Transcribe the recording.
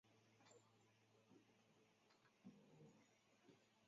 位于河南省的登封观星台和周公测景台是中国现存最古老的天文观测建筑。